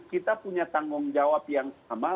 kita punya tanggung jawab yang sama